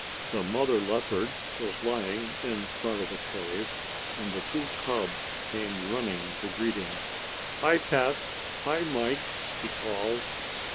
The mother leopard was lying in front of the cave, and the two cubs came running to greet them. "Hi, Pat. Hi, Mike," he called.